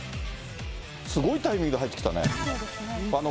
すごいタイミングで入ってきたね。